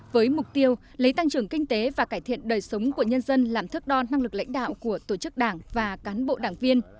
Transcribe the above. với mục tiêu lấy tăng trưởng kinh tế và cải thiện đời sống của nhân dân làm thước đo năng lực lãnh đạo của tổ chức đảng và cán bộ đảng viên